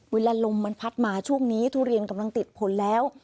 ลมมันพัดมาช่วงนี้ทุเรียนกำลังติดผลแล้ว